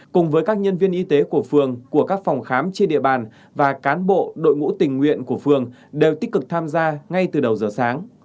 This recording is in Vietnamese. cùng với các nhân viên y tế của phường của các phòng khám trên địa bàn và cán bộ đội ngũ tình nguyện của phường đều tích cực tham gia ngay từ đầu giờ sáng